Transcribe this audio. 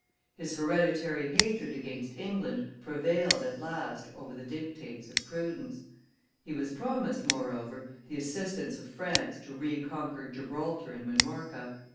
His hereditary hatred against England prevailed at last over the dictates of prudence. He was promised, moreover, the assistance of France to reconquer Gibraltar and Minorca.